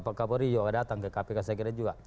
pak kapolri juga datang ke kpk saya kira juga